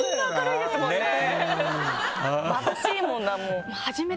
まぶしいもんなもう。